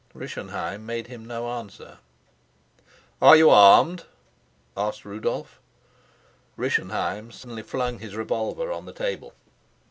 Rischenheim made him no answer. "Are you armed?" asked Rudolf. Rischenheim sullenly flung his revolver on the table.